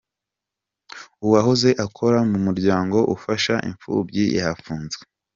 Uwahoze akora mu muryango ufasha imfubyi yafunzwe.